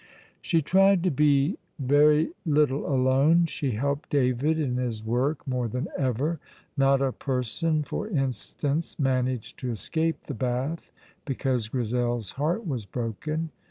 She tried to be very little alone. She helped David in his work more than ever; not a person, for instance, managed to escape the bath because Grizel's heart was broken.